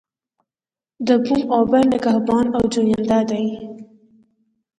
د بوم او بر نگهبان او جوینده دی.